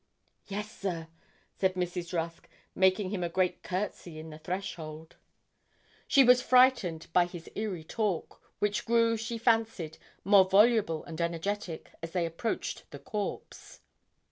'Yes, sir,' said Mrs. Rusk, making him a great courtesy in the threshold. She was frightened by his eerie talk, which grew, she fancied, more voluble and energetic as they approached the corpse.